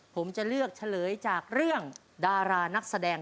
ผมจะเลือกเฉลยจากเรื่องดารานักแสดง